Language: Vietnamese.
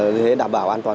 để đảm bảo an toàn